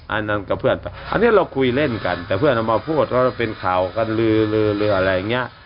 อันนั้นกับเพื่อนไปอันนี้เราคุยเล่นกันแต่เพื่อนเอามาพูดว่าเป็นข่าวกันลืออะไรอย่างเงี้ย